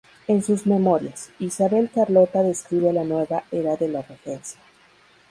En sus memorias, Isabel Carlota describe la nueva era de la Regencia.